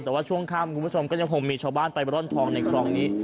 แต่ว่าช่วงค่ำคุณผู้ชมก็ยังคงมีชาวบ้านไปร่อนทองในคลองนี้